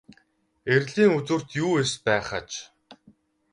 Эрлийн үзүүрт юу эс байх аж.